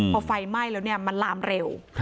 พอไฟไหม้แล้วมันลามเร็ว